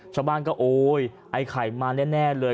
ชาวบ้านก็โอ๊ยไอ้ไข่มาแน่เลย